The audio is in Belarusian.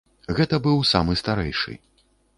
Гэта быў самы старэйшы.